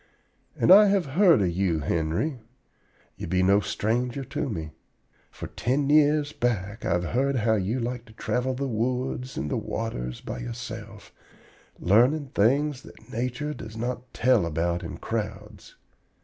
And I have heard of you, Henry. Ye be no stranger to me. For ten years back I have heard how you like to travel the woods and the waters by yourself, larning things that Nature does not tell about in crowds.